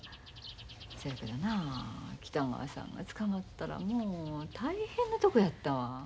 そやけどな北川さんが捕まったらもう大変なとこやったわ。